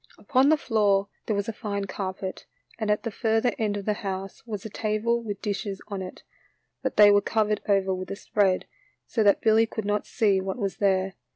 Upon the floor there was a fine carpet, and at the further end of the house was a table with dishes on it, but they were covered over with a spread, so that Billy could not see what was there.